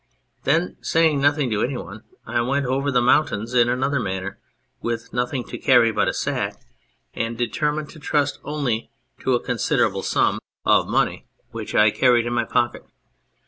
Then, saying nothing to any one, I went over the mountains in another manner, with nothing to carry but a sack, and determined to trust only to a considerable sum 3 B 2 On Anything of money which I carried in my pocket.